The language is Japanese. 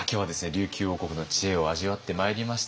琉球王国の知恵を味わってまいりました。